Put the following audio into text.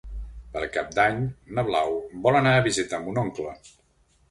Per Cap d'Any na Blau vol anar a visitar mon oncle.